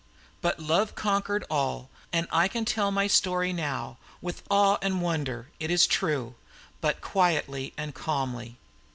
But love conquered all, and I can tell my story now, with awe and wonder, it is true, but quietly and calmly.